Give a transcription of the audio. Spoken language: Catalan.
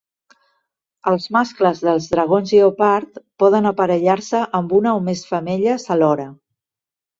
Els mascles dels dragons lleopard poden aparellar-se amb una o més femelles alhora.